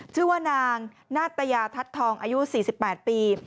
ชื่อว่านางนาตยาทัศน์ทองอายุ๔๘ปี